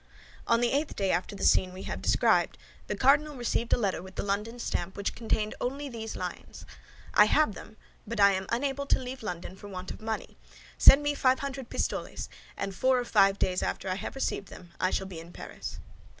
On the eighth day after the scene we have described, the cardinal received a letter with the London stamp which only contained these lines: "I have them; but I am unable to leave London for want of money. Send me five hundred pistoles, and four or five days after I have received them I shall be in Paris."